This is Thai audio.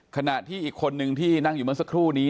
ขณะที่อีกคนนึงที่นั่งอยู่เมื่อสักครู่นี้